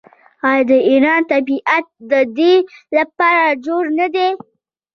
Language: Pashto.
آیا د ایران طبیعت د دې لپاره جوړ نه دی؟